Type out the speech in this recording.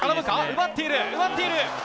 奪っている。